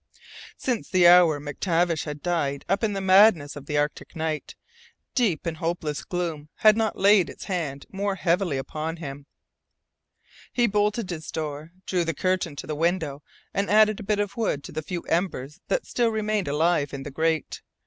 Since the hour MacTavish had died up in the madness of Arctic night, deep and hopeless gloom had not laid its hand more heavily upon him, He bolted his door, drew the curtain to the window, and added a bit of wood to the few embers that still remained alive in the grate.